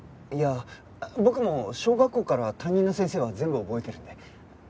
いや僕も小学校から担任の先生は全部覚えてるんで。